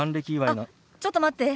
あっちょっと待って。